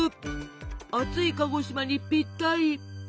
暑い鹿児島にぴったり！